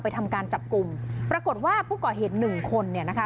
ทำการจับกลุ่มปรากฏว่าผู้ก่อเหตุหนึ่งคนเนี่ยนะคะ